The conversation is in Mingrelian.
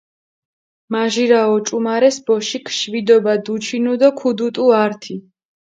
მაჟირა ოჭუმარეს ბოშიქ შვიდობა დუჩინუ დო ქუდუტუ ართი